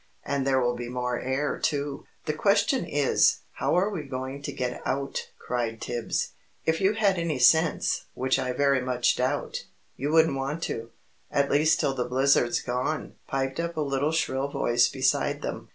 "And there will be more air, too." "The question is, how are we going to get out?" cried Tibbs. "If you had any sense which I very much doubt you wouldn't want to, at least till the blizzard's gone!" piped up a little shrill voice beside them.